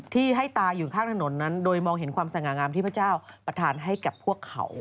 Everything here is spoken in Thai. ที่ให้ตายอยู่ข้างถนนนั้นโดยมองเห็นความสง่างามที่พระเจ้าประธานให้กับพวกเขา